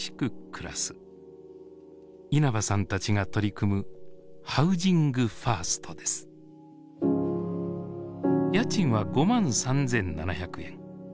稲葉さんたちが取り組む家賃は５万３，７００円。